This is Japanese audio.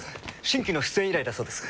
新規の出演依頼だそうです。